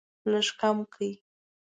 لږ کم کړئ